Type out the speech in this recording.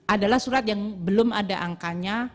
adalah surat yang belum ada angkanya